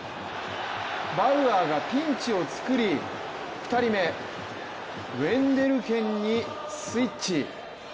バウアーがピンチを作り２人目ウェンデルケンにスイッチ。